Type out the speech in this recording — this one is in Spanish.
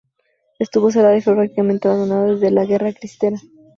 Estuvo cerrado y fue prácticamente abandonado desde la guerra cristera.